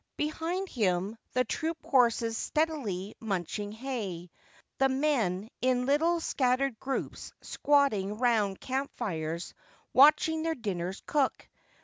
Behind him the troop horses steadily munching hay ; the men in little scattered groups squatting round camp fires watching their dinners cook.